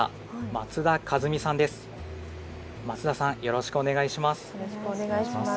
松田さん、よろしくお願いします。